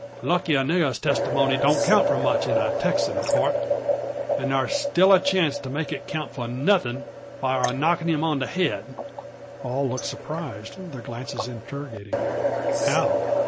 Lucky a nigger's testymony don't count for much in a Texan court; an' thar's still a chance to make it count for nothin' by our knocking him on the head." All look surprised, their glances interrogating "How?"